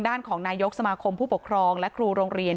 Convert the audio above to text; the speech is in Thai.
ด้านของนายกสมาคมผู้ปกครองและครูโรงเรียน